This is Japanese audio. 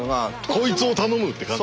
こいつを頼むって感じ。